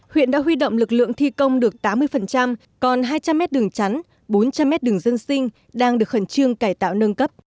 huyện đã huy động lực lượng thi công được tám mươi còn hai trăm linh mét đường chắn bốn trăm linh m đường dân sinh đang được khẩn trương cải tạo nâng cấp